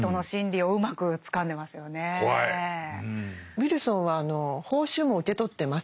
ウィルソンは報酬も受け取ってますし